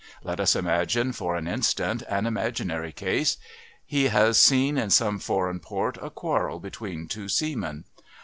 Let us imagine, for an instant, an imaginary case. He has seen in some foreign port a quarrel between two seamen.